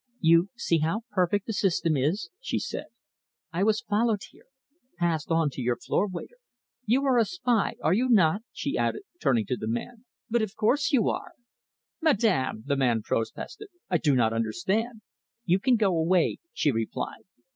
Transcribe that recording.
"You see how perfect the system is," she said. "I was followed here, passed on to your floor waiter. You are a spy, are you not?" she added, turning to the man. "But of course you are!" "Madame!" the man protested. "I do not understand." "You can go away," she replied.